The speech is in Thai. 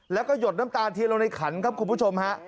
แล้วก็หยดน้ำตาลเทียนลงในขันครับคุณผู้ชมฮะ